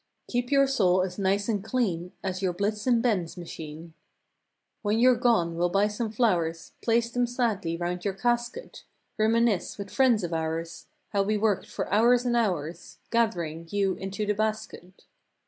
Keep your soul as nice and clean As your Blitzen Benz machine. When you're gone we'll buy some flow'rs, Place them sadly 'round your casket; Reminisce with friends of ours, How we worked for hours and hours Gath'ring you into the basket.